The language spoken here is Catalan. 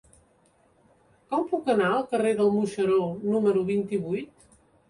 Com puc anar al carrer del Moixeró número vint-i-vuit?